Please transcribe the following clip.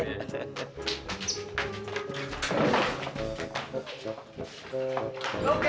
ntar sunjukin mukanya si luki ya